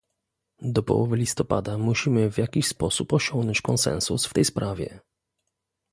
Do połowy listopada musimy w jakiś sposób osiągnąć konsensus w tej sprawie